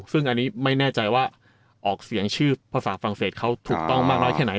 ซึ่งอันนี้ไม่แน่ใจว่าออกเสียงชื่อภาษาฝรั่งเศสเขาถูกต้องมากน้อยแค่ไหน